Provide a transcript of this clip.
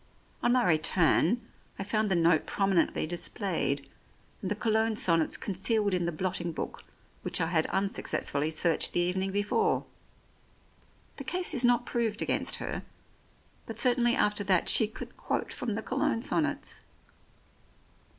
On my return I found the note prominently displayed, and the Cologne sonnets concealed in the blotting book which I had unsuccessfully searched the evening before. The case is not proved against her, but certainly after that she could quote from the Cologne sonnets.